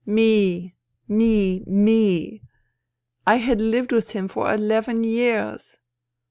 me ! I had lived with him for eleven years